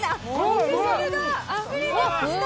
肉汁があふれ出ました。